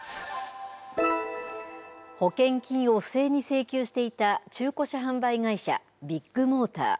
保険金を不正に請求していた中古車販売会社、ビッグモーター。